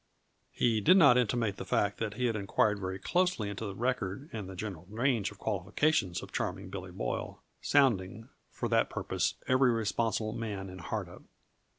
He did not intimate the fact that he had inquired very closely into the record and the general range qualifications of Charming Billy Boyle, sounding, for that purpose, every responsible man in Hardup.